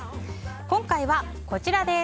今回はこちらです。